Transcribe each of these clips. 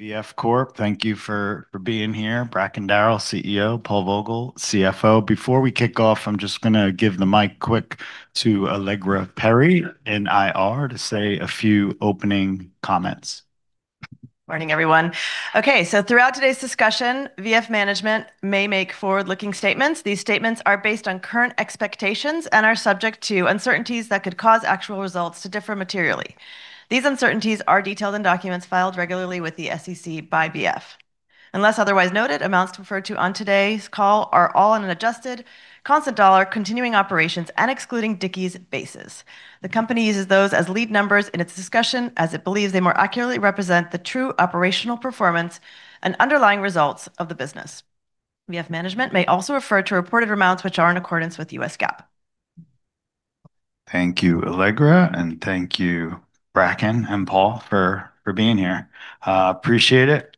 VF Corporation, thank you for being here. Bracken Darrell, CEO, Paul Vogel, CFO. Before we kick off, I'm just gonna give the mic quick to Allegra Perry in IR to say a few opening comments. Morning, everyone. Okay, throughout today's discussion, VF Management may make forward-looking statements. These statements are based on current expectations and are subject to uncertainties that could cause actual results to differ materially. These uncertainties are detailed in documents filed regularly with the SEC by VF. Unless otherwise noted, amounts referred to on today's call are all on an adjusted constant dollar continuing operations and excluding Dickies basis. The company uses those as lead numbers in its discussion as it believes they more accurately represent the true operational performance and underlying results of the business. VF Management may also refer to reported amounts which are in accordance with U.S. GAAP. Thank you, Allegra, and thank you Bracken and Paul for being here. Appreciate it.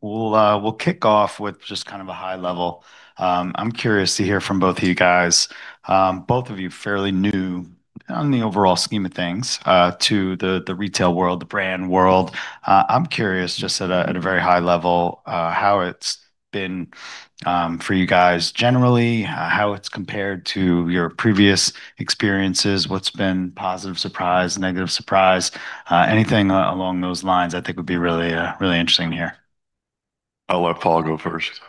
We'll kick off with just kind of a high level. I'm curious to hear from both of you guys. Both of you fairly new on the overall scheme of things, to the retail world, the brand world. I'm curious just at a very high level, how it's been for you guys generally, how it's compared to your previous experiences, what's been positive surprise, negative surprise? Anything along those lines I think would be really interesting to hear. I'll let Paul go first.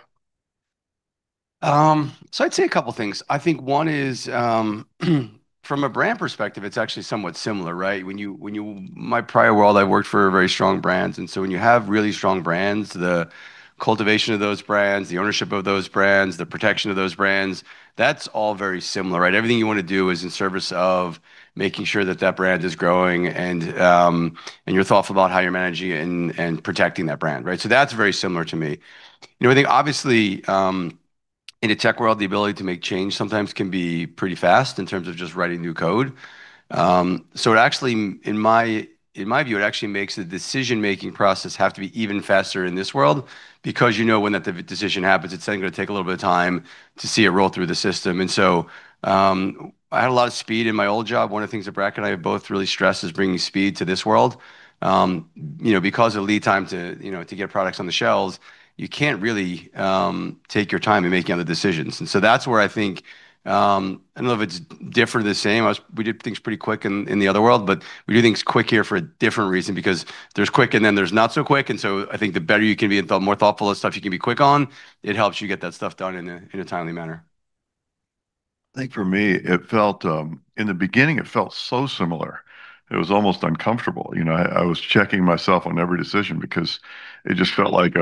I'd say a couple things. I think one is from a brand perspective, it's actually somewhat similar, right? My prior world, I worked for very strong brands, and so when you have really strong brands, the cultivation of those brands, the ownership of those brands, the protection of those brands, that's all very similar, right? Everything you want to do is in service of making sure that that brand is growing and you're thoughtful about how you're managing and protecting that brand, right? That's very similar to me. You know, I think obviously in the tech world, the ability to make change sometimes can be pretty fast in terms of just writing new code. It actually, in my view, it actually makes the decision-making process have to be even faster in this world because you know when that decision happens, it's then going to take a little bit of time to see it roll through the system. I had a lot of speed in my old job. One of the things that Bracken and I have both really stressed is bringing speed to this world. You know, because of lead time to you know to get products on the shelves, you can't really take your time in making other decisions. That's where I think I don't know if it's different or the same. We did things pretty quick in the other world, but we do things quick here for a different reason because there's quick, and then there's not so quick. I think the better you can be and feel more thoughtful of stuff you can be quick on, it helps you get that stuff done in a timely manner. I think for me, it felt in the beginning, it felt so similar. It was almost uncomfortable. You know, I was checking myself on every decision because it just felt like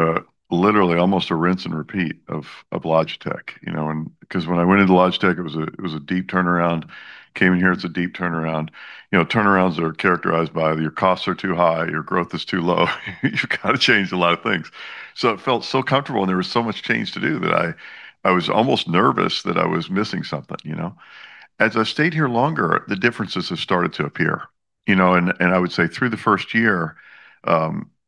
literally almost a rinse and repeat of Logitech, you know? 'Cause when I went into Logitech, it was a deep turnaround. Came in here, it's a deep turnaround. You know, turnarounds are characterized by your costs are too high, your growth is too low, you've got to change a lot of things. It felt so comfortable, and there was so much change to do that I was almost nervous that I was missing something, you know? As I stayed here longer, the differences have started to appear. You know, I would say through the first year,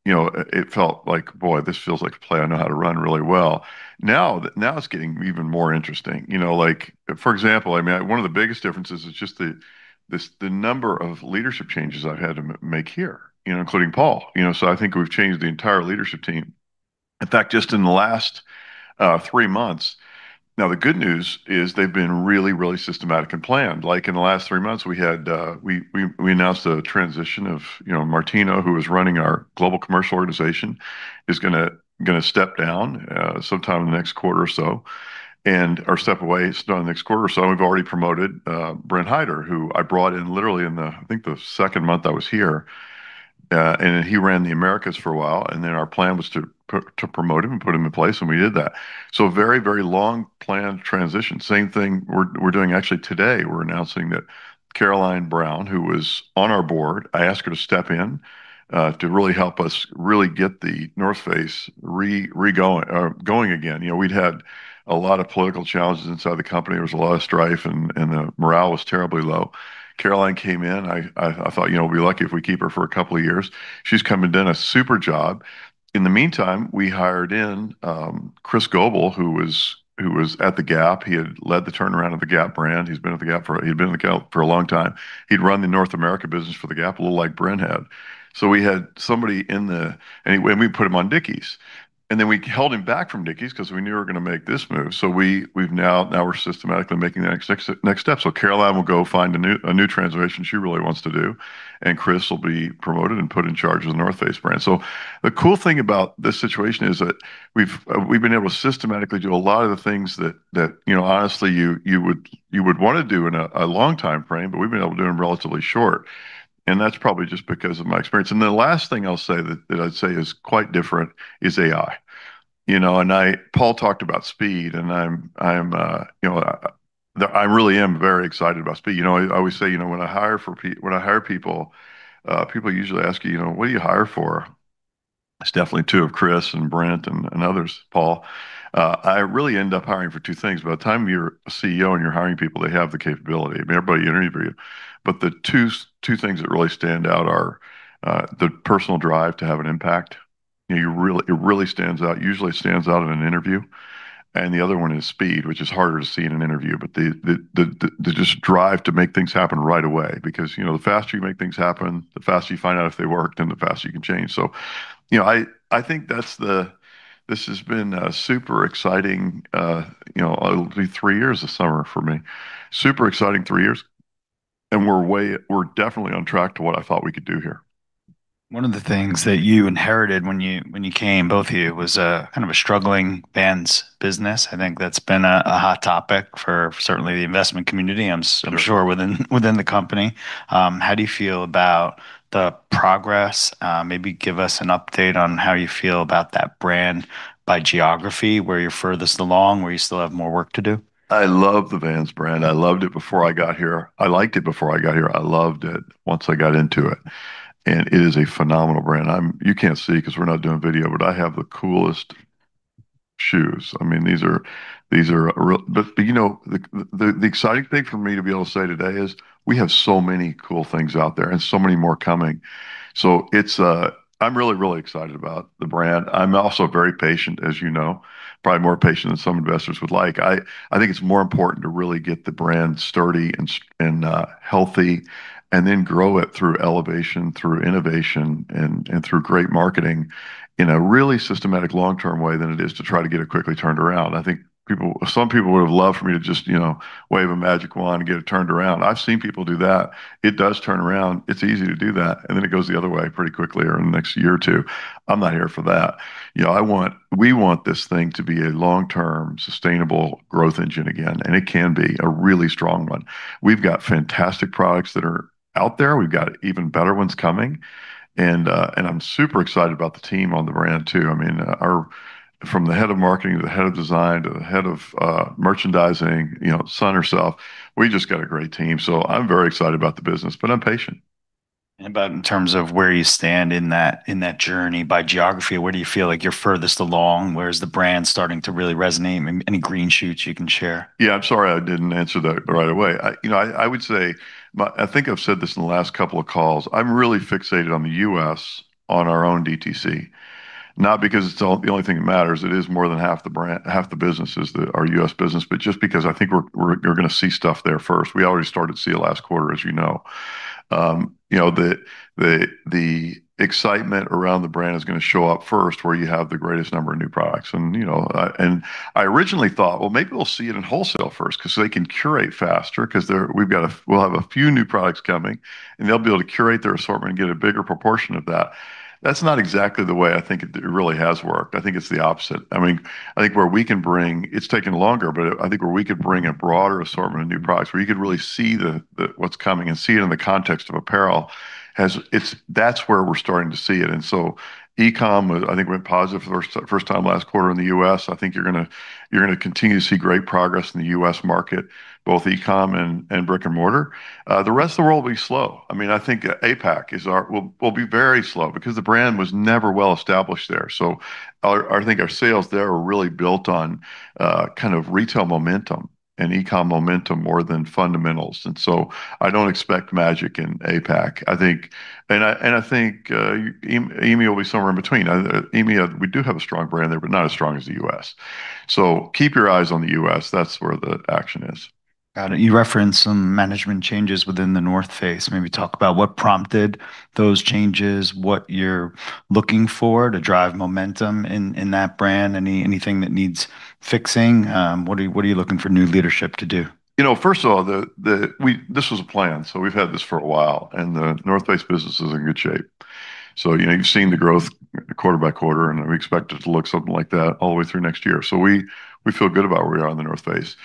you know, it felt like, boy, this feels like a play I know how to run really well. Now it's getting even more interesting. You know, like for example, I mean, one of the biggest differences is just the number of leadership changes I've had to make here, you know, including Paul. You know, I think we've changed the entire leadership team. In fact, just in the last three months. Now, the good news is they've been really systematic and planned. Like in the last three months, we announced a transition of, you know, Martino, who was running our global commercial organization, is gonna step down sometime in the next quarter or so, or step away sometime next quarter or so. We've already promoted Brent Hyder, who I brought in literally in the, I think the second month I was here. And then he ran the Americas for a while, and then our plan was to promote him and put him in place, and we did that. A very, very long planned transition. Same thing we're doing actually today. We're announcing that Caroline Brown, who was on our board, I asked her to step in to really help us really get The North Face going again. You know, we'd had a lot of political challenges inside the company. There was a lot of strife, and the morale was terribly low. Caroline came in. I thought, you know, we'll be lucky if we keep her for a couple of years. She's come and done a super job. In the meantime, we hired in Chris Goble, who was at the Gap. He had led the turnaround of the Gap brand. He'd been at the Gap for a long time. He'd run the North America business for the Gap, a little like Brent had. We had somebody, and we put him on Dickies, and then we held him back from Dickies 'cause we knew we were gonna make this move. We've now, we're systematically making the next step. Caroline will go find a new transition she really wants to do, and Chris will be promoted and put in charge of the North Face brand. The cool thing about this situation is that we've been able to systematically do a lot of the things that you know, honestly, you would wanna do in a long timeframe, but we've been able to do them relatively short, and that's probably just because of my experience. The last thing I'll say that I'd say is quite different is AI. You know, Paul talked about speed, and I'm you know, I really am very excited about speed. You know, I always say, you know, when I hire people usually ask you know, "What do you hire for?" It's definitely two of Chris and Brent and others, Paul. I really end up hiring for two things. By the time you're CEO and you're hiring people, they have the capability. I mean, everybody interviews you. The two things that really stand out are the personal drive to have an impact. You know, it really stands out, usually stands out in an interview. The other one is speed, which is harder to see in an interview, but the drive to make things happen right away because, you know, the faster you make things happen, the faster you find out if they worked, and the faster you can change. You know, I think that's the. This has been super exciting, you know, it'll be three years this summer for me. Super exciting three years, and we're definitely on track to what I thought we could do here. One of the things that you inherited when you came, both of you, was a kind of a struggling Vans business. I think that's been a hot topic for certainly the investment community. I'm sure. Sure Within the company. How do you feel about the progress? Maybe give us an update on how you feel about that brand by geography, where you're furthest along, where you still have more work to do. I love the Vans brand. I loved it before I got here. I liked it before I got here. I loved it once I got into it, and it is a phenomenal brand. You can't see 'cause we're not doing video, but I have the coolest shoes. I mean, these are real. But, you know, the exciting thing for me to be able to say today is we have so many cool things out there and so many more coming. It's, I'm really excited about the brand. I'm also very patient, as you know, probably more patient than some investors would like. I think it's more important to really get the brand sturdy and healthy and then grow it through elevation, through innovation, and through great marketing in a really systematic long-term way than it is to try to get it quickly turned around. I think people. Some people would have loved for me to just, you know, wave a magic wand and get it turned around. I've seen people do that. It does turn around. It's easy to do that, and then it goes the other way pretty quickly or in the next year or two. I'm not here for that. You know, I want, we want this thing to be a long-term sustainable growth engine again, and it can be a really strong one. We've got fantastic products that are out there. We've got even better ones coming and I'm super excited about the team on the brand too. I mean, from the head of marketing to the head of design to the head of merchandising, you know, Susan herself, we just got a great team. I'm very excited about the business, but I'm patient. About in terms of where you stand in that, in that journey by geography, where do you feel like you're furthest along? Where is the brand starting to really resonate? Any green shoots you can share? Yeah, I'm sorry I didn't answer that right away. You know, I would say, but I think I've said this in the last couple of calls. I'm really fixated on the U.S. on our own DTC. Not because it's the only thing that matters, it is more than half the brand, half the business is our U.S. business, but just because I think we're, you're gonna see stuff there first. We already started to see it last quarter, as you know. You know, the excitement around the brand is gonna show up first where you have the greatest number of new products, and you know, and I originally thought, "Well, maybe we'll see it in wholesale first 'cause they can curate faster 'cause they're. We'll have a few new products coming, and they'll be able to curate their assortment and get a bigger proportion of that. That's not exactly the way I think it really has worked. I think it's the opposite. I mean. It's taken longer, but I think where we could bring a broader assortment of new products, where you could really see what's coming and see it in the context of apparel. That's where we're starting to see it. E-com, I think, went positive for the first time last quarter in the U.S. I think you're going to continue to see great progress in the U.S. market, both e-com and brick and mortar. The rest of the world will be slow. I mean, I think APAC will be very slow because the brand was never well established there. I think our sales there are really built on kind of retail momentum and e-com momentum more than fundamentals. I don't expect magic in APAC. I think EMEA will be somewhere in between. EMEA, we do have a strong brand there, but not as strong as the U.S. Keep your eyes on the U.S., that's where the action is. Got it. You referenced some management changes within The North Face. Maybe talk about what prompted those changes, what you're looking for to drive momentum in that brand. Anything that needs fixing? What are you looking for new leadership to do? You know, first of all, this was a plan, so we've had this for a while, and The North Face business is in good shape. You know, you've seen the growth quarter by quarter, and we expect it to look something like that all the way through next year. We feel good about where we are in The North Face.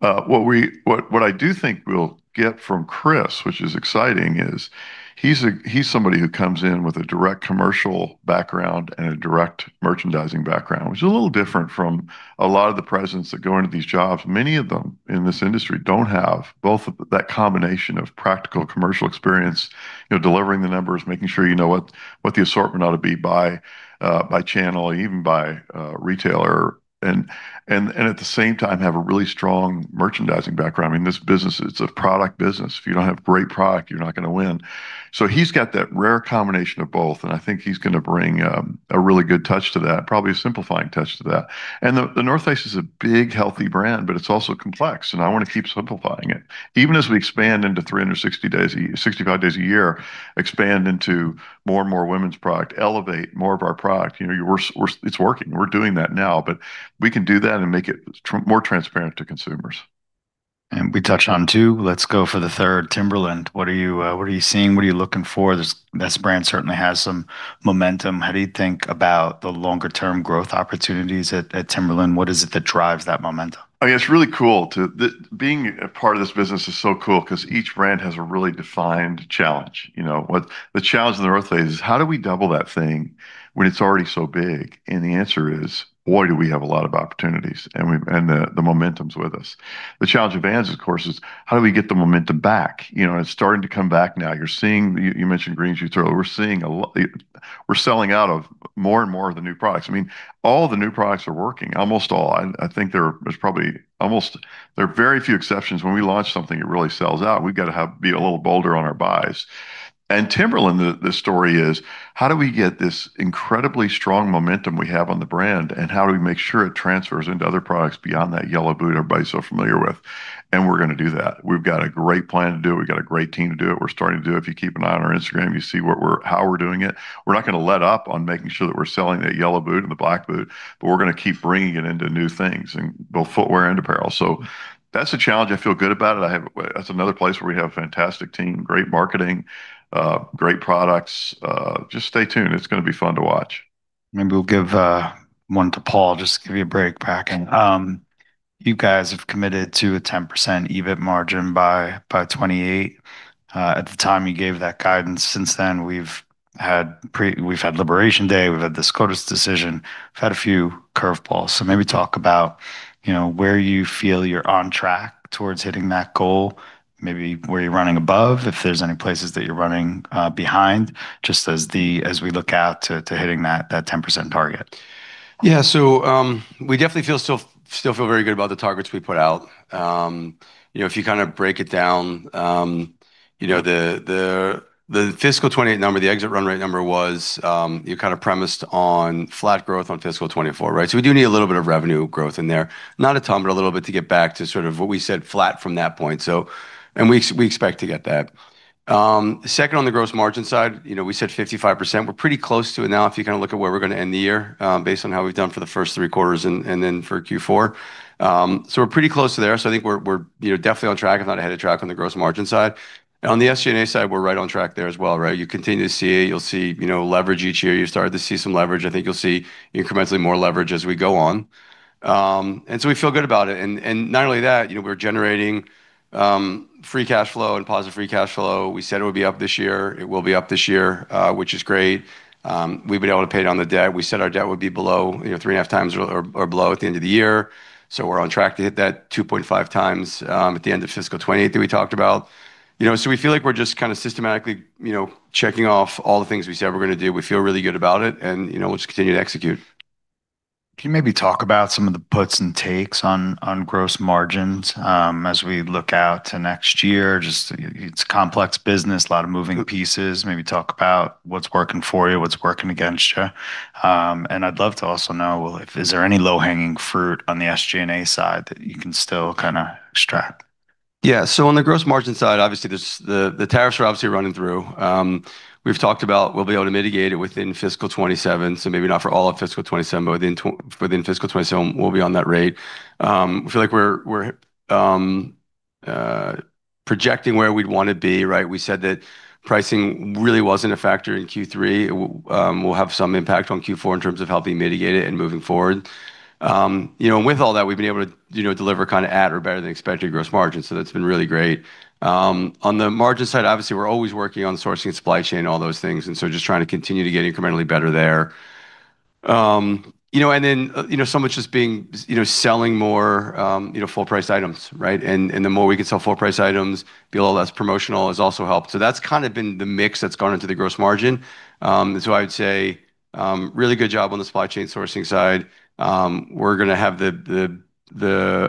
What I do think we'll get from Chris, which is exciting, is he's somebody who comes in with a direct commercial background and a direct merchandising background, which is a little different from a lot of the presidents that go into these jobs. Many of them in this industry don't have both of that combination of practical commercial experience, you know, delivering the numbers, making sure you know what the assortment ought to be by channel, even by retailer and at the same time have a really strong merchandising background. I mean, this business is a product business. If you don't have great product, you're not gonna win. So he's got that rare combination of both, and I think he's gonna bring a really good touch to that, probably a simplifying touch to that. The North Face is a big, healthy brand, but it's also complex, and I wanna keep simplifying it. Even as we expand into 65 days a year, expand into more and more women's product, elevate more of our product. You know, it's working. We're doing that now, but we can do that and make it more transparent to consumers. We touched on two. Let's go for the third, Timberland. What are you seeing? What are you looking for? This brand certainly has some momentum. How do you think about the longer term growth opportunities at Timberland? What is it that drives that momentum? I mean, it's really cool. Being a part of this business is so cool 'cause each brand has a really defined challenge. You know what? The challenge of The North Face is, how do we double that thing when it's already so big? The answer is, boy, do we have a lot of opportunities, and the momentum's with us. The challenge of Vans, of course, is how do we get the momentum back? You know, and it's starting to come back now. You're seeing. You mentioned green shoots earlier. We're selling out of more and more of the new products. I mean, all the new products are working, almost all. I think there's probably almost none. There are very few exceptions. When we launch something, it really sells out. We've got to have. Be a little bolder on our buys. Timberland, the story is how do we get this incredibly strong momentum we have on the brand and how do we make sure it transfers into other products beyond that yellow boot everybody's so familiar with? We're going to do that. We've got a great plan to do it. We've got a great team to do it. We're starting to do it. If you keep an eye on our Instagram, you see how we're doing it. We're not going to let up on making sure that we're selling that yellow boot and the black boot, but we're going to keep bringing it into new things in both footwear and apparel. That's a challenge. I feel good about it. That's another place where we have a fantastic team, great marketing, great products. Just stay tuned. It's going to be fun to watch. Maybe we'll give one to Paul, just to give you a break, Pac. Okay. You guys have committed to a 10% EBIT margin by 2028. At the time you gave that guidance, since then, we've had Liberation Day, we've had the SCOTUS decision, we've had a few curve balls. Maybe talk about, you know, where you feel you're on track towards hitting that goal, maybe where you're running above, if there's any places that you're running behind, just as we look out to hitting that 10% target. Yeah. We definitely feel still feel very good about the targets we put out. You know, if you kind of break it down, you know, the fiscal 2028 number, the exit run rate number was, you kind of premised on flat growth on fiscal 2024, right? We do need a little bit of revenue growth in there. Not a ton, but a little bit to get back to sort of what we said flat from that point. We expect to get that. Second on the gross margin side, you know, we said 55%. We're pretty close to it now, if you kinda look at where we're gonna end the year, based on how we've done for the first three quarters and then for Q4. We're pretty close to there. I think we're, you know, definitely on track, if not ahead of track, on the gross margin side. On the SG&A side, we're right on track there as well, right? You'll see, you know, leverage each year. You're starting to see some leverage. I think you'll see incrementally more leverage as we go on. We feel good about it. Not only that, you know, we're generating free cash flow and positive free cash flow. We said it would be up this year. It will be up this year, which is great. We've been able to pay down the debt. We said our debt would be below, you know, 3.5 times or below at the end of the year, so we're on track to hit that 2.5 times at the end of fiscal 2028 that we talked about. You know, so we feel like we're just kinda systematically, you know, checking off all the things we said we're going to do. We feel really good about it and, you know, we'll just continue to execute. Can you maybe talk about some of the puts and takes on gross margins, as we look out to next year? Just it's a complex business, a lot of moving pieces. Maybe talk about what's working for you, what's working against you. I'd love to also know, well, if there is any low-hanging fruit on the SG&A side that you can still kinda extract? Yeah. On the gross margin side, obviously, the tariffs are obviously running through. We've talked about we'll be able to mitigate it within fiscal 2027, so maybe not for all of fiscal 2027, but within fiscal 2027, we'll be on that rate. I feel like we're projecting where we'd want to be, right? We said that pricing really wasn't a factor in Q3. We'll have some impact on Q4 in terms of helping mitigate it and moving forward. You know, with all that, we've been able to, you know, deliver kinda at or better than expected gross margin, so that's been really great. On the margin side, obviously, we're always working on sourcing and supply chain, all those things, just trying to continue to get incrementally better there. You know, so much just you know, selling more, you know, full priced items, right? The more we can sell full priced items, be a little less promotional has also helped. That's kinda been the mix that's gone into the gross margin. I would say, really good job on the supply chain sourcing side. We're going to have the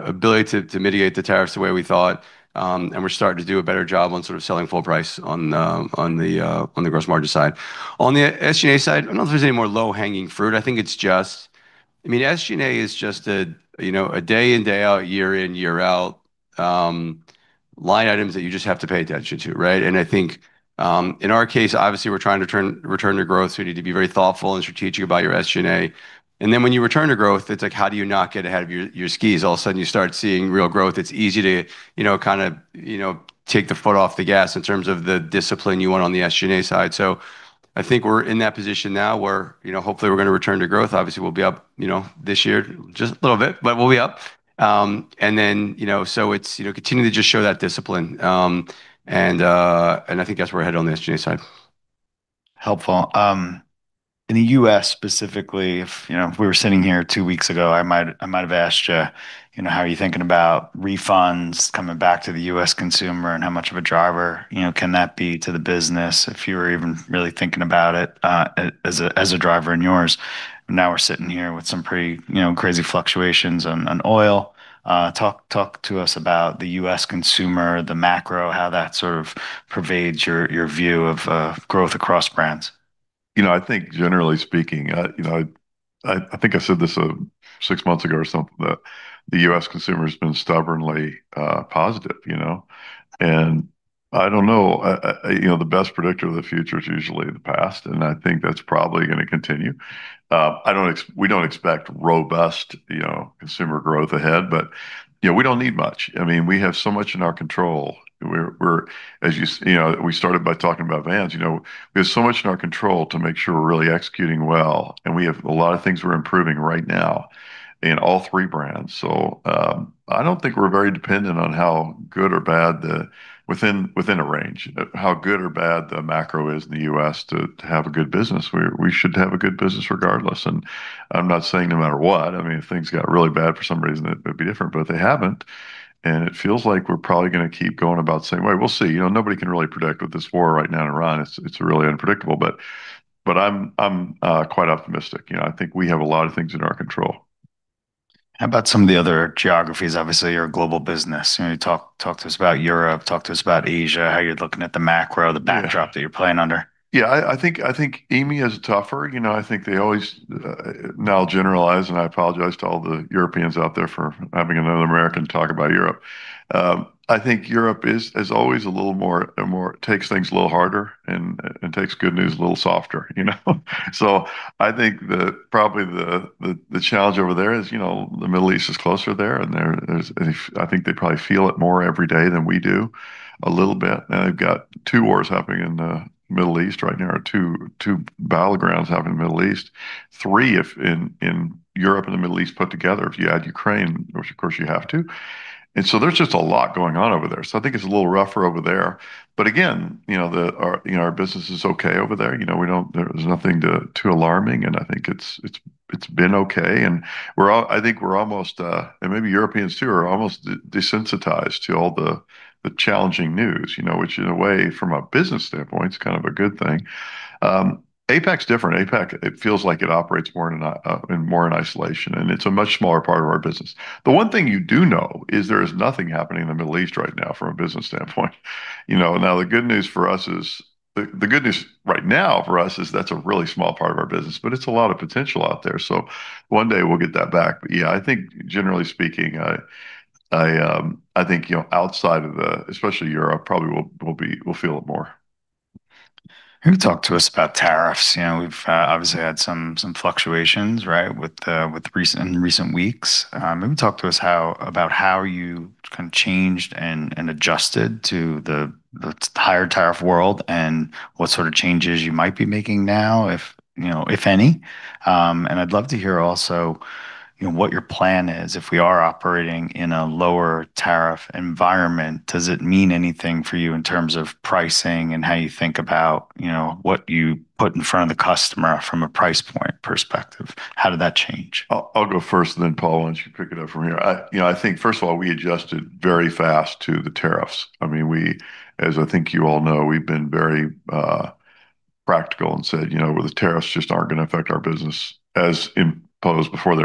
ability to mitigate the tariffs the way we thought, and we're starting to do a better job on sort of selling full price on the gross margin side. On the SG&A side, I don't know if there's any more low-hanging fruit. I think it's just I mean, SG&A is just a, you know, a day in, day out, year in, year out, line items that you just have to pay attention to, right? I think in our case, obviously, we're trying to return to growth, so we need to be very thoughtful and strategic about our SG&A. Then when you return to growth, it's like, how do you not get ahead of your skis? All of a sudden, you start seeing real growth. It's easy to, you know, kinda, you know, take the foot off the gas in terms of the discipline you want on the SG&A side. I think we're in that position now where, you know, hopefully we're going to return to growth. Obviously, we'll be up, you know, this year, just a little bit, but we'll be up. you know, so it's, you know, continue to just show that discipline. I think that's where we're headed on the SG&A side. Helpful. In the U.S. specifically, if you know, if we were sitting here two weeks ago, I might have asked you know, how are you thinking about refunds coming back to the U.S. consumer, and how much of a driver, you know, can that be to the business, if you're even really thinking about it, as a driver in yours? Now we're sitting here with some pretty, you know, crazy fluctuations on oil. Talk to us about the U.S. consumer, the macro, how that sort of pervades your view of growth across brands. You know, I think generally speaking, you know, I think I said this six months ago or something, that the U.S. consumer's been stubbornly positive, you know? I don't know, you know, the best predictor of the future is usually the past, and I think that's probably gonna continue. We don't expect robust, you know, consumer growth ahead, but, you know, we don't need much. I mean, we have so much in our control. You know, we started by talking about Vans, you know. We have so much in our control to make sure we're really executing well, and we have a lot of things we're improving right now in all three brands. I don't think we're very dependent on how good or bad the macro is in the U.S. to have a good business. We should have a good business regardless. I'm not saying no matter what. I mean, if things got really bad for some reason, it would be different, but they haven't, and it feels like we're probably going to keep going about the same way. We'll see. You know, nobody can really predict with this war right now in Iran. It's really unpredictable. I'm quite optimistic. You know, I think we have a lot of things in our control. How about some of the other geographies? Obviously, you're a global business. Can you talk to us about Europe, talk to us about Asia, how you're looking at the macro, the backdrop that you're playing under. Yeah, I think EMEA is tougher. You know, now I generalize, and I apologize to all the Europeans out there for having another American talk about Europe. I think Europe is always a little more, takes things a little harder and takes good news a little softer, you know? I think probably the challenge over there is, you know, the Middle East is closer there, and I think they probably feel it more every day than we do a little bit. They've got two wars happening in the Middle East right now, or two battlegrounds happening in the Middle East. Three in Europe and the Middle East put together if you add Ukraine, which of course you have to. There's just a lot going on over there, so I think it's a little rougher over there. Again, you know, our business is okay over there. You know, there's nothing too alarming, and I think it's been okay. I think we're almost, and maybe Europeans too, almost desensitized to all the challenging news, you know, which in a way from a business standpoint is kind of a good thing. APAC's different. APAC, it feels like it operates more in isolation, and it's a much smaller part of our business. The one thing you do know is there is nothing happening in the Middle East right now from a business standpoint, you know. Now, the good news for us is. The good news right now for us is that's a really small part of our business, but it's a lot of potential out there, so one day we'll get that back. Yeah, I think generally speaking, you know, outside of, especially Europe, probably will feel it more. Maybe talk to us about tariffs. You know, we've obviously had some fluctuations, right, with recent in recent weeks. Maybe talk to us about how you kind of changed and adjusted to the higher tariff world and what sort of changes you might be making now if, you know, if any. I'd love to hear also, you know, what your plan is if we are operating in a lower tariff environment. Does it mean anything for you in terms of pricing and how you think about, you know, what you put in front of the customer from a price point perspective? How did that change? I'll go first and then Paul, why don't you pick it up from here. You know, I think first of all, we adjusted very fast to the tariffs. I mean, we, as I think you all know, we've been very practical and said, you know, "Well, the tariffs just aren't gonna affect our business as imposed before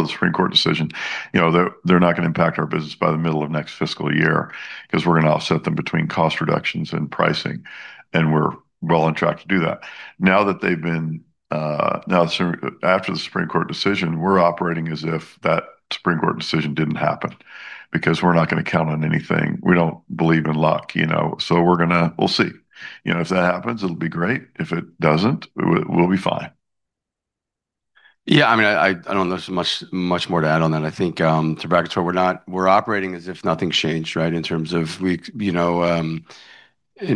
the Supreme Court decision. You know, they're not going to impact our business by the middle of next fiscal year 'cause we're going to offset them between cost reductions and pricing," and we're well on track to do that. Now after the Supreme Court decision, we're operating as if that Supreme Court decision didn't happen because we're not going to count on anything. We don't believe in luck, you know. We'll see. You know, if that happens, it'll be great. If it doesn't, we'll be fine. Yeah, I mean, I don't know there's much more to add on that. I think, we're operating as if nothing's changed, right? In terms of we, you know, and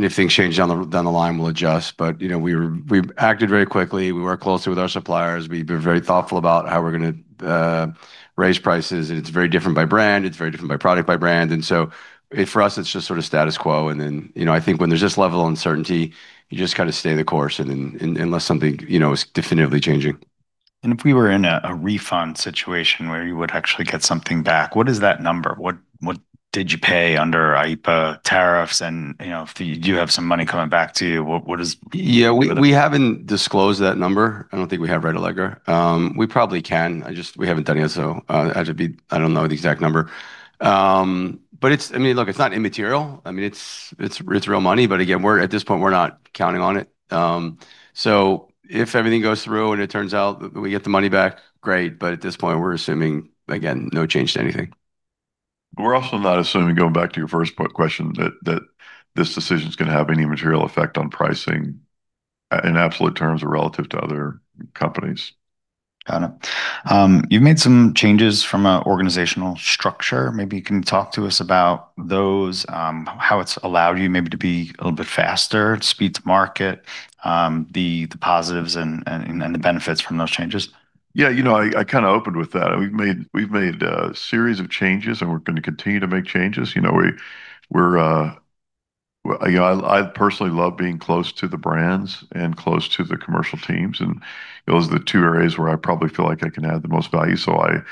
if things change down the line, we'll adjust. You know, we've acted very quickly. We work closely with our suppliers. We've been very thoughtful about how we're gonna raise prices, and it's very different by brand. It's very different by product by brand. For us, it's just sort of status quo. You know, I think when there's this level of uncertainty, you just kind of stay the course and unless something, you know, is definitively changing. If we were in a refund situation where you would actually get something back, what is that number? What did you pay under IEEPA tariffs? You know, if you do have some money coming back to you, what is the- Yeah, we haven't disclosed that number. I don't think we have, right, Allegra? We probably can. I just, we haven't done it, so it'd have to be. I don't know the exact number. It's, I mean, look, it's not immaterial. I mean, it's real money. Again, we're at this point, we're not counting on it. If everything goes through and it turns out that we get the money back, great. At this point, we're assuming, again, no change to anything. We're also not assuming, going back to your first question, that this decision's going to have any material effect on pricing in absolute terms or relative to other companies. Got it. You've made some changes from an organizational structure. Maybe you can talk to us about those, how it's allowed you maybe to be a little bit faster, speed to market, the positives and the benefits from those changes. Yeah, you know, I kinda opened with that. We've made a series of changes, and we're going to continue to make changes. You know, you know, I personally love being close to the brands and close to the commercial teams, and those are the two areas where I probably feel like I can add the most value. I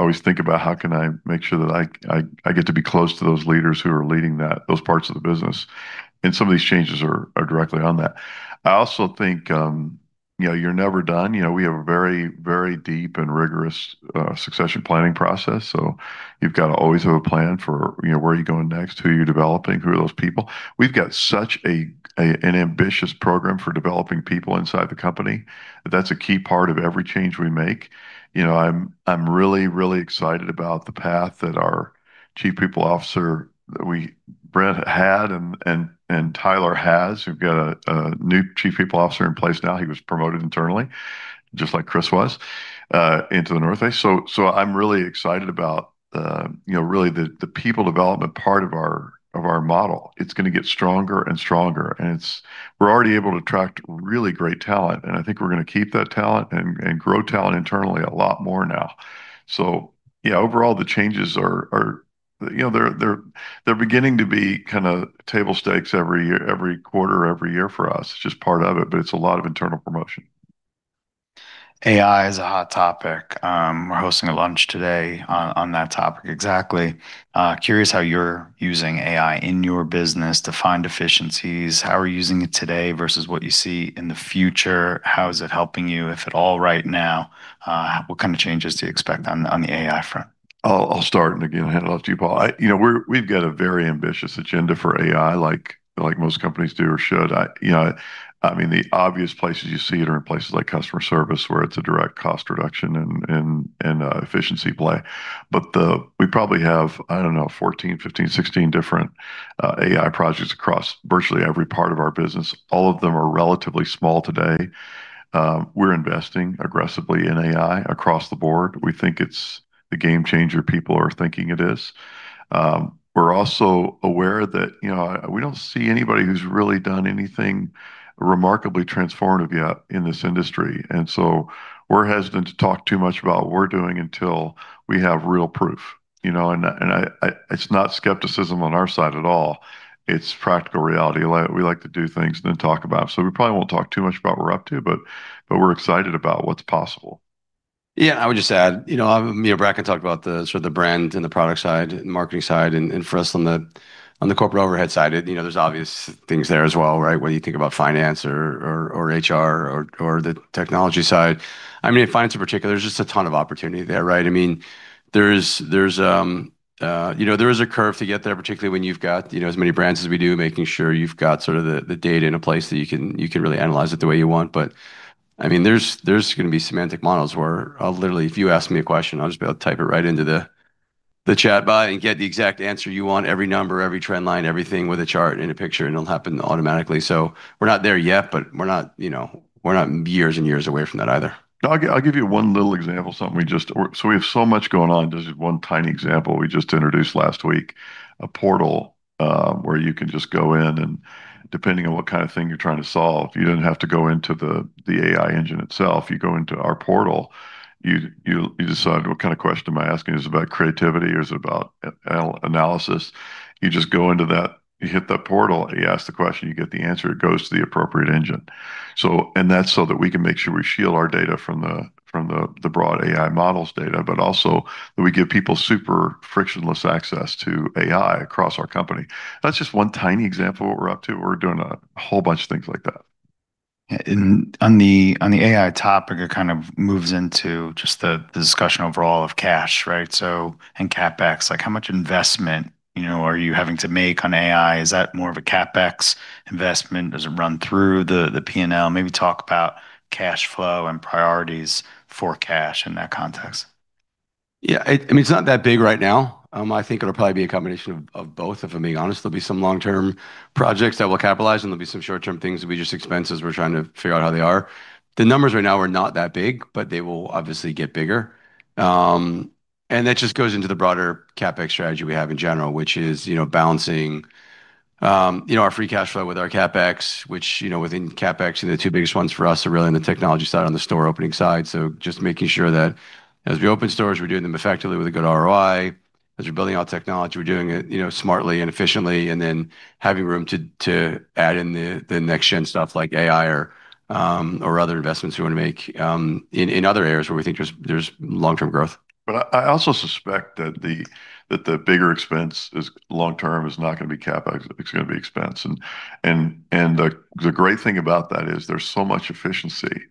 always think about how I can make sure that I get to be close to those leaders who are leading those parts of the business, and some of these changes are directly on that. I also think, you know, you're never done. You know, we have a very deep and rigorous succession planning process, so you've gotta always have a plan for, you know, where are you going next, who are you developing, who are those people? We've got such an ambitious program for developing people inside the company. That's a key part of every change we make. You know, I'm really excited about the path that our chief people officer Brent Hyder had and Tyler has. We've got a new chief people officer in place now. He was promoted internally, just like Chris Goble was into the North Bay. I'm really excited about you know, really the people development part of our model. It's going to get stronger and stronger, and we're already able to attract really great talent, and I think we're going to keep that talent and grow talent internally a lot more now. So yeah, overall the changes are, you know, they're beginning to be kinda table stakes every quarter, every year for us. It's just part of it, but it's a lot of internal promotion. AI is a hot topic. We're hosting a lunch today on that topic exactly. Curious how you're using AI in your business to find efficiencies, how are you using it today versus what you see in the future. How is it helping you, if at all, right now? What kind of changes do you expect on the AI front? I'll start and again hand it off to you, Paul. You know, we've got a very ambitious agenda for AI like most companies do or should. You know, I mean, the obvious places you see it are in places like customer service where it's a direct cost reduction and efficiency play. But we probably have, I don't know, 14, 15, 16 different AI projects across virtually every part of our business. All of them are relatively small today. We're investing aggressively in AI across the board. We think it's the game changer people are thinking it is. We're also aware that, you know, we don't see anybody who's really done anything remarkably transformative yet in this industry. We're hesitant to talk too much about what we're doing until we have real proof, you know? It's not skepticism on our side at all. It's practical reality. Like, we like to do things than talk about. We probably won't talk too much about what we're up to, but we're excited about what's possible. Yeah. I would just add, you know, me and Bracken talked about the sort of the brand and the product side and marketing side and for us on the corporate overhead side, you know, there's obvious things there as well, right? Whether you think about finance or HR or the technology side. I mean, in finance in particular, there's just a ton of opportunity there, right? I mean, there's you know, there is a curve to get there, particularly when you've got, you know, as many brands as we do, making sure you've got sort of the data in a place that you can really analyze it the way you want. I mean, there's going to be semantic models where I'll literally, if you ask me a question, I'll just be able to type it right into the chat bot and get the exact answer you want, every number, every trend line, everything with a chart and a picture, and it'll happen automatically. So we're not there yet, but we're not, you know, we're not years and years away from that either. I'll give you one little example of something we just. We have so much going on. This is one tiny example we just introduced last week, a portal, where you can just go in and depending on what kind of thing you're trying to solve, you didn't have to go into the AI engine itself. You go into our portal, you decide what kind of question am I asking. Is it about creativity or is it about analysis? You just go into that, you hit the portal, you ask the question, you get the answer, it goes to the appropriate engine. That's so that we can make sure we shield our data from the broad AI models data, but also that we give people super frictionless access to AI across our company. That's just one tiny example of what we're up to. We're doing a whole bunch of things like that. Yeah. On the AI topic, it kind of moves into just the discussion overall of cash, right? CapEx. Like how much investment, you know, are you having to make on AI? Is that more of a CapEx investment? Does it run through the P&L? Maybe talk about cash flow and priorities for cash in that context. Yeah. I mean, it's not that big right now. I think it'll probably be a combination of both, if I'm being honest. There'll be some long-term projects that we'll capitalize and there'll be some short-term things that'll be just expenses. We're trying to figure out how they are. The numbers right now are not that big, but they will obviously get bigger. That just goes into the broader CapEx strategy we have in general, which is, you know, balancing, you know, our free cash flow with our CapEx, which, you know, within CapEx, the two biggest ones for us are really on the technology side, on the store opening side. Just making sure that as we open stores, we're doing them effectively with a good ROI. As we're building out technology, we're doing it, you know, smartly and efficiently, and then having room to add in the next-gen stuff like AI or other investments we wanna make in other areas where we think there's long-term growth. I also suspect that the bigger expense long-term is not going to be CapEx, it's going to be expense. The great thing about that is there's so much efficiency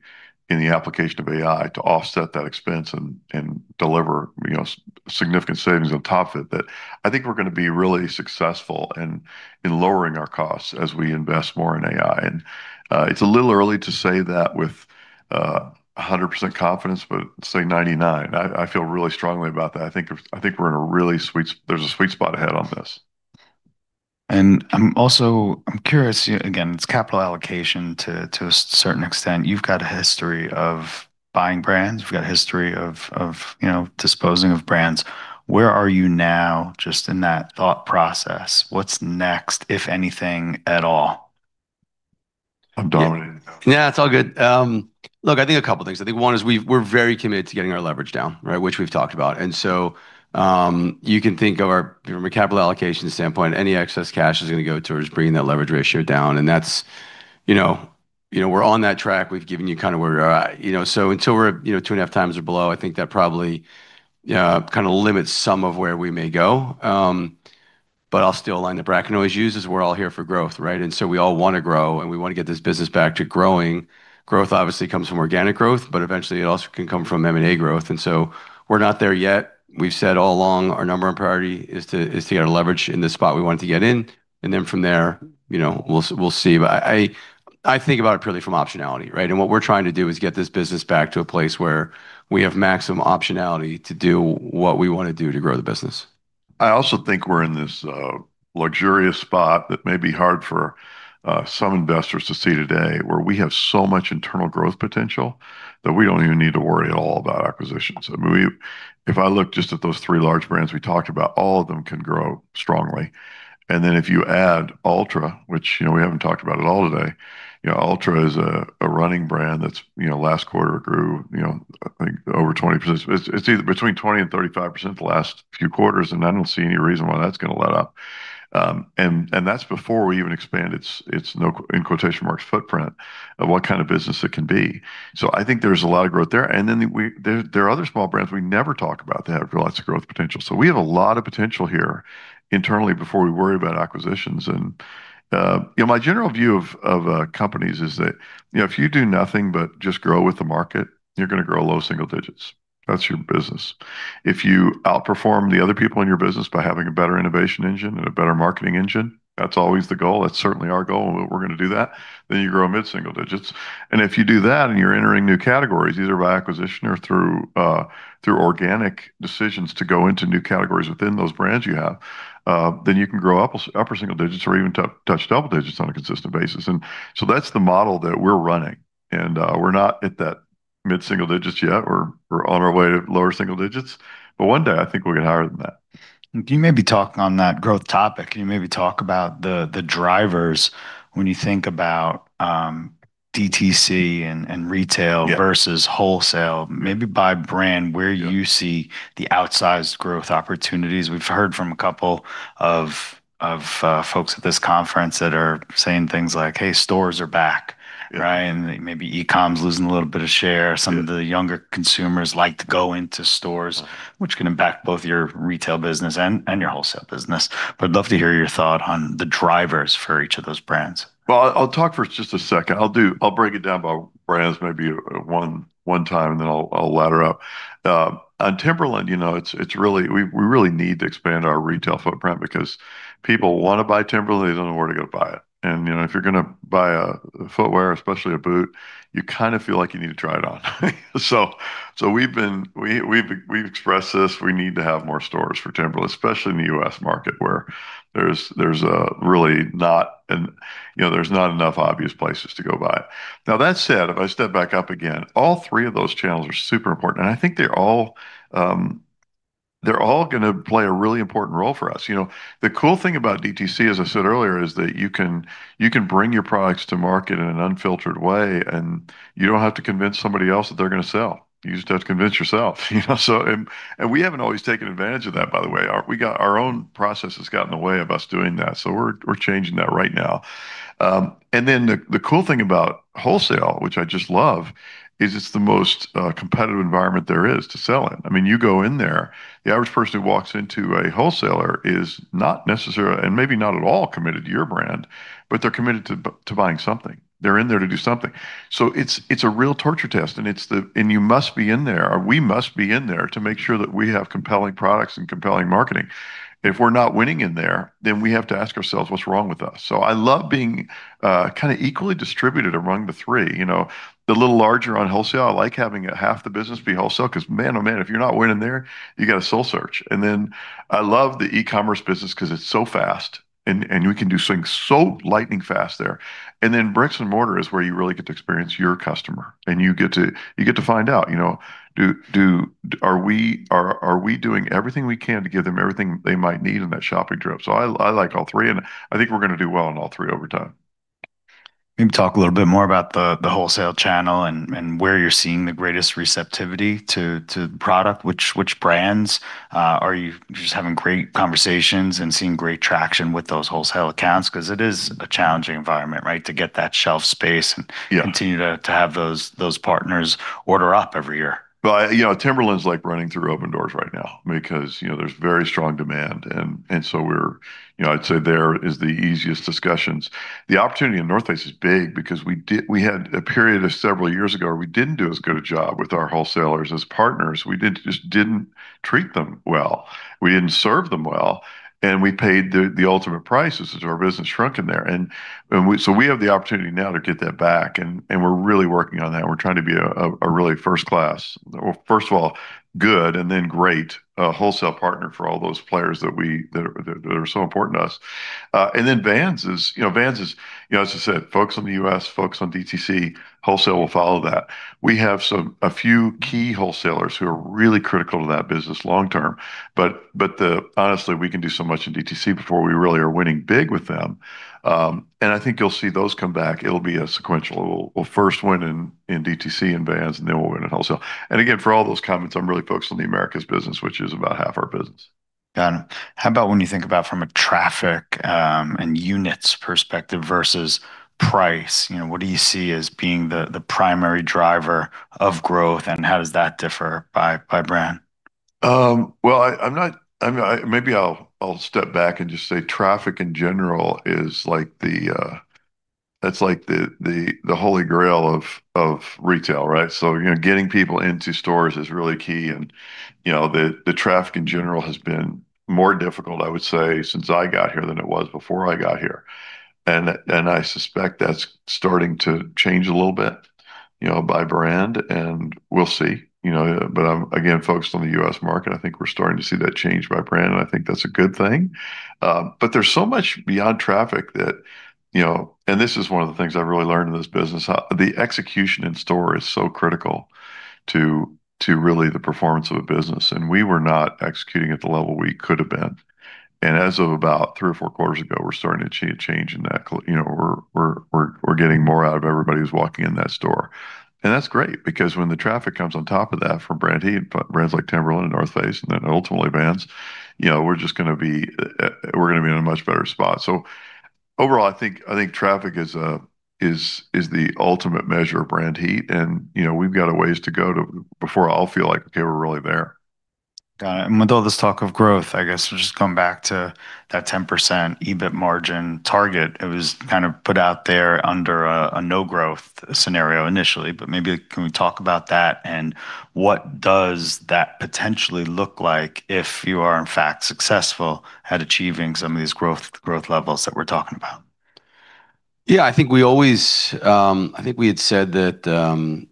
in the application of AI to offset that expense and deliver, you know, significant savings on top of it that I think we're going to be really successful in lowering our costs as we invest more in AI. It's a little early to say that with 100% confidence, but say 99%. I feel really strongly about that. There's a sweet spot ahead on this. I'm curious. Again, it's capital allocation to a certain extent. You've got a history of buying brands. You've got a history of, you know, disposing of brands. Where are you now just in that thought process? What's next, if anything at all? I'm dominating that one. Yeah, it's all good. Look, I think a couple things. I think one is we're very committed to getting our leverage down, right? Which we've talked about. You can think of our, from a capital allocation standpoint, any excess cash is going to go towards bringing that leverage ratio down, and that's, you know, we're on that track. We've given you kind of where we're at. You know, until we're, you know, 2.5x or below, I think that probably kinda limits some of where we may go. I'll steal a line that Bracken always uses, we're all here for growth, right? We all wanna grow, and we wanna get this business back to growing. Growth obviously comes from organic growth, but eventually it also can come from M&A growth, and so we're not there yet. We've said all along our number one priority is to get our leverage in the spot we want it to get in, and then from there, you know, we'll see. I think about it purely from optionality, right? And what we're trying to do is get this business back to a place where we have maximum optionality to do what we wanna do to grow the business. I also think we're in this luxurious spot that may be hard for some investors to see today, where we have so much internal growth potential that we don't even need to worry at all about acquisitions. I mean, if I look just at those three large brands we talked about, all of them can grow strongly. If you add Altra, which, you know, we haven't talked about at all today, you know, Altra is a running brand that's last quarter grew, I think, over 20%. It's either between 20% and 35% the last few quarters, and I don't see any reason why that's going to let up. That's before we even expand its 'footprint' of what kind of business it can be. I think there's a lot of growth there. There are other small brands we never talk about that have lots of growth potential. We have a lot of potential here internally before we worry about acquisitions. You know, my general view of companies is that, you know, if you do nothing but just grow with the market, you're going to grow low single digits. That's your business. If you outperform the other people in your business by having a better innovation engine and a better marketing engine, that's always the goal. That's certainly our goal, and we're going to do that, then you grow mid-single digits. If you do that and you're entering new categories, either by acquisition or through organic decisions to go into new categories within those brands you have, then you can grow upper single digits% or even touch double digits% on a consistent basis. That's the model that we're running. We're not at that mid-single digits% yet. We're on our way to lower single digits%, but one day, I think we'll get higher than that. Can you maybe talk on that growth topic? Can you maybe talk about the drivers when you think about DTC and retail. Yeah. Versus wholesale, maybe by brand, where you see the outsized growth opportunities. We've heard from a couple of folks at this conference that are saying things like, "Hey, stores are back." Right? Maybe e-com's losing a little bit of share. Some of the younger consumers like to go into stores, which can impact both your retail business and your wholesale business. I'd love to hear your thought on the drivers for each of those brands. Well, I'll talk for just a second. I'll break it down by brands maybe one time, and then I'll ladder up. On Timberland, you know, it's really. We really need to expand our retail footprint because people wanna buy Timberland, they don't know where to go to buy it. You know, if you're going to buy a footwear, especially a boot, you kinda feel like you need to try it on. We've expressed this, we need to have more stores for Timberland, especially in the U.S. market where there's really not enough obvious places to go buy it. Now, that said, if I step back up again, all three of those channels are super important, and I think they're all going to play a really important role for us. You know, the cool thing about DTC, as I said earlier, is that you can bring your products to market in an unfiltered way, and you don't have to convince somebody else that they're going to sell. You just have to convince yourself, you know? We haven't always taken advantage of that, by the way. Our own processes got in the way of us doing that, so we're changing that right now. The cool thing about wholesale, which I just love, is it's the most competitive environment there is to sell in. I mean, you go in there, the average person who walks into a wholesaler is not necessarily, and maybe not at all committed to your brand, but they're committed to buying something. They're in there to do something. It's a real torture test, and you must be in there, or we must be in there to make sure that we have compelling products and compelling marketing. If we're not winning in there, then we have to ask ourselves what's wrong with us. I love being kinda equally distributed among the three. You know, a little larger on wholesale, I like having half the business be wholesale, 'cause man, oh, man, if you're not winning there, you gotta soul search. I love the e-commerce business 'cause it's so fast and we can do things so lightning fast there. Bricks and mortar is where you really get to experience your customer, and you get to find out, you know, are we doing everything we can to give them everything they might need in that shopping trip? I like all three, and I think we're going to do well in all three over time. Maybe talk a little bit more about the wholesale channel and where you're seeing the greatest receptivity to product. Which brands are you just having great conversations and seeing great traction with those wholesale accounts? 'Cause it is a challenging environment, right? To get that shelf space and. Yeah. Continue to have those partners order up every year. Well, you know, Timberland's like running through open doors right now because, you know, there's very strong demand and so we're. You know, I'd say there is the easiest discussions. The opportunity in The North Face is big because we had a period of several years ago where we didn't do as good a job with our wholesalers as partners. We didn't just didn't treat them well. We didn't serve them well, and we paid the ultimate price, which is our business shrunk in there. So we have the opportunity now to get that back and we're really working on that, and we're trying to be a really first class. Well, first of all, good and then great, wholesale partner for all those players that are so important to us. Vans is, you know, as I said, focused on the U.S., focused on DTC. Wholesale will follow that. We have some, a few key wholesalers who are really critical to that business long term, but honestly, we can do so much in DTC before we really are winning big with them. I think you'll see those come back. It'll be a sequential. We'll first win in DTC and Vans, and then we'll win in wholesale. For all those comments, I'm really focused on the Americas business, which is about half our business. Got it. How about when you think about from a traffic and units perspective versus price? You know, what do you see as being the primary driver of growth, and how does that differ by brand? Maybe I'll step back and just say traffic in general is like the holy grail of retail, right? You know, getting people into stores is really key and, you know, the traffic in general has been more difficult, I would say, since I got here than it was before I got here. I suspect that's starting to change a little bit, you know, by brand, and we'll see. You know, I'm again focused on the U.S. market. I think we're starting to see that change by brand, and I think that's a good thing. There's so much beyond traffic that, you know, and this is one of the things I've really learned in this business. How the execution in store is so critical to really the performance of a business, and we were not executing at the level we could have been. As of about three or four quarters ago, we're starting to see a change in that you know, we're getting more out of everybody who's walking in that store. That's great because when the traffic comes on top of that from brand heat, but brands like Timberland and The North Face and then ultimately Vans, you know, we're just going to be in a much better spot. Overall, I think traffic is the ultimate measure of brand heat and, you know, we've got a ways to go before I'll feel like, okay, we're really there. Got it. With all this talk of growth, I guess we'll just come back to that 10% EBIT margin target. It was kind of put out there under a no growth scenario initially, but maybe can we talk about that and what does that potentially look like if you are in fact successful at achieving some of these growth levels that we're talking about? Yeah. I think we had said that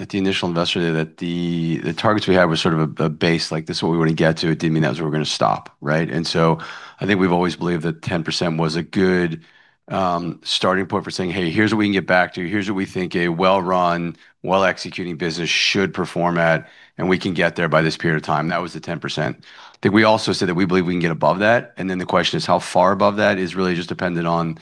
at the initial Investor Day that the targets we had were sort of a base, like this is what we wanna get to. It didn't mean that was where we're going to stop, right? I think we've always believed that 10% was a good starting point for saying, "Hey, here's what we can get back to. Here's what we think a well-run, well-executing business should perform at, and we can get there by this period of time." That was the 10%. I think we also said that we believe we can get above that, and then the question is how far above that is really just dependent on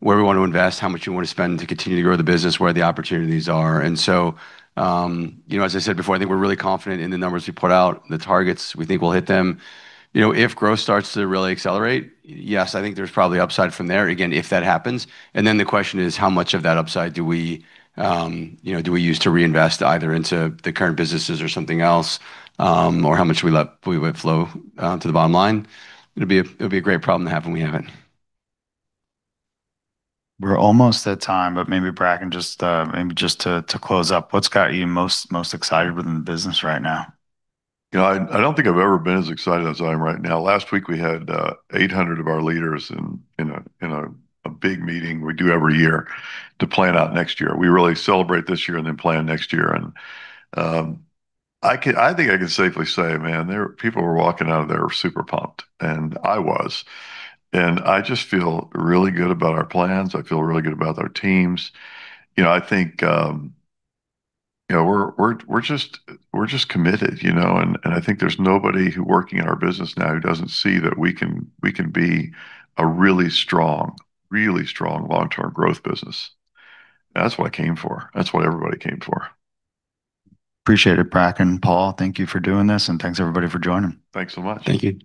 where we want to invest, how much we wanna spend to continue to grow the business, where the opportunities are. You know, as I said before, I think we're really confident in the numbers we put out, the targets, we think we'll hit them. You know, if growth starts to really accelerate, yes, I think there's probably upside from there, again, if that happens. The question is how much of that upside do we, you know, do we use to reinvest either into the current businesses or something else, or how much we let flow to the bottom line. It'll be a great problem to have when we have it. We're almost at time, but maybe Bracken just to close up, what's got you most excited within the business right now? You know, I don't think I've ever been as excited as I am right now. Last week we had 800 of our leaders in a big meeting we do every year to plan out next year. We really celebrate this year and then plan next year and I think I can safely say, man, there, people were walking out of there super pumped, and I was. I just feel really good about our plans. I feel really good about our teams. You know, I think we're just committed, you know? I think there's nobody who working in our business now who doesn't see that we can be a really strong long-term growth business. That's what I came for. That's what everybody came for. Appreciate it, Bracken. Paul, thank you for doing this, and thanks everybody for joining. Thanks so much. Thank you.